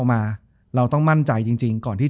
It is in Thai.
จบการโรงแรมจบการโรงแรม